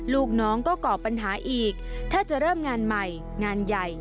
ลูกน้องก็ก่อปัญหาอีกถ้าจะเริ่มงานใหม่งานใหญ่